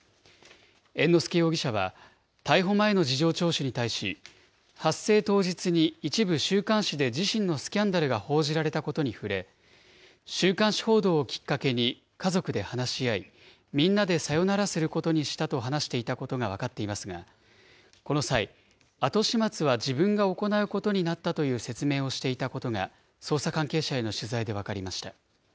猿之助容疑者は、逮捕前の事情聴取に対し、発生当日に一部週刊誌で自身のスキャンダルが報じられたことに触れ、週刊誌報道をきっかけに家族で話し合い、みんなでさよならすることにしたと話していたことが分かっていますが、この際、後始末は自分が行うことになったという説明をしていたことが、捜査関係者への取材で分かりました。